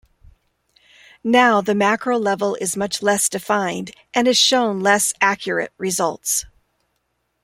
Now the macro-level is much less defined and has shown less accurate results.